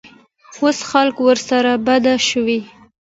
اوس خلک ورسره بلد شوي.